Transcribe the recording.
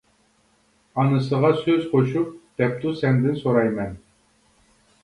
ئانىسىغا سۆز قوشۇپ، دەپتۇ سەندىن سورايمەن.